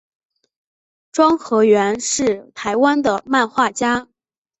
庄河源是台湾的漫画家。